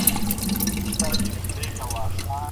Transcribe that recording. کارخانې پکښی بنا د علم و فن شي